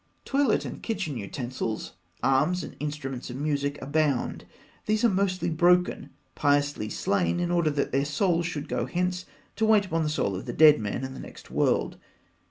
Toilet and kitchen utensils, arms, and instruments of music abound. These are mostly broken piously slain, in order that their souls should go hence to wait upon the soul of the dead man in the next world.